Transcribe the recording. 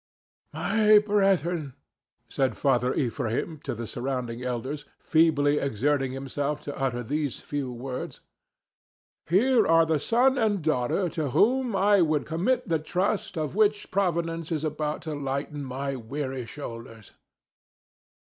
"My brethren," said Father Ephraim to the surrounding elders, feebly exerting himself to utter these few words, "here are the son and daughter to whom I would commit the trust of which Providence is about to lighten my weary shoulders.